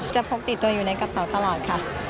พกติดตัวอยู่ในกระเป๋าตลอดค่ะ